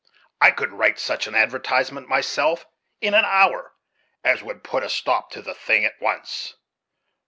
I could write such an advertisement myself, in an hour, as would put a stop to the thing at once."